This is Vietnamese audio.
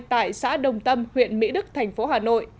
tại xã đồng tâm huyện mỹ đức tp hà nội